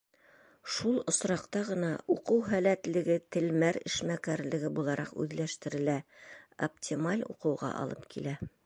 Шул осраҡта ғына уҡыу һәләтлеге телмәр эшмәкәрлеге булараҡ үҙләштерелә, оптималь уҡыуға алып килә.